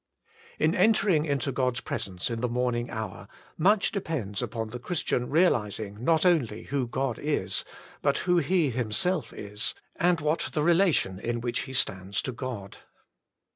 In entering into God's presence in the morning hour much depends upon the Christian realising not only who God is, but Who He Himself Is, and what the relation in which he stands to God.